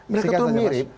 mereka tuh mirip